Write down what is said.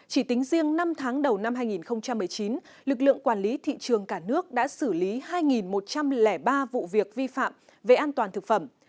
chỉ tính riêng năm tháng đầu năm hai nghìn một mươi chín lực lượng quản lý thị trường cả nước đã xử lý hai một trăm linh ba vụ việc vi phạm về an toàn thực phẩm